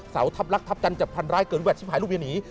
สาวทัพรักทัพจันทร์จะพันร้ายเกินแวดที่ภายลูกเยี่ยนหนุ่ย